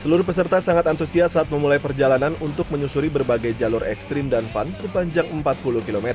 seluruh peserta sangat antusias saat memulai perjalanan untuk menyusuri berbagai jalur ekstrim dan fun sepanjang empat puluh km